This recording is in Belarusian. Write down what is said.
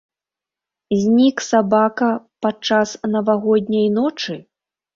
Знік сабака падчас навагодняй ночы?